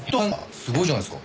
すごいじゃないですか。